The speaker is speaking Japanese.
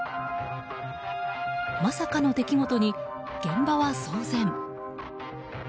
まさかの出来事に現場は騒然。